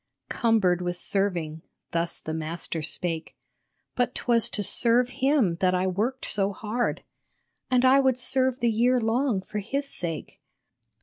" Cumbered with serving," thus the Master spake ; But 't was to serve Him that I worked so hard (And I would serve the year long for His sake).